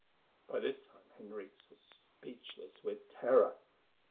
By this time Henriques was speechless with terror.